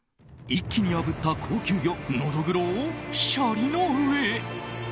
一気に炙った高級魚のどぐろをシャリの上へ。